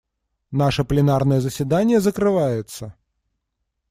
Наше пленарное заседание закрывается.